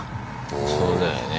そうだよね。